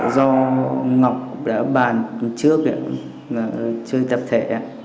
do ngọc đã bàn trước là chơi tập thể